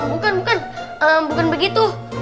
bukan bukan bukan begitu